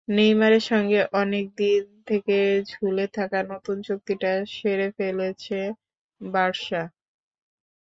নেইমারের সঙ্গে অনেক দিন থেকে ঝুলে থাকা নতুন চুক্তিটা সেরে ফেলছে বার্সা।